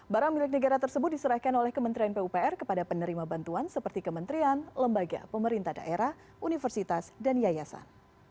barang milik negara tersebut diserahkan oleh kementerian pupr kepada penerima bantuan seperti kementerian lembaga pemerintah daerah universitas dan yayasan